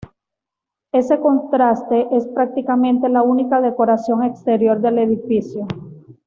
Ese contraste es prácticamente la única decoración exterior del edificio.